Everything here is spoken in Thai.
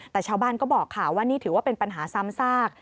แต่ชาวบ้านก็บอกค่ะว่านี่ถือว่าเป็นปัญหาซ้ำซาก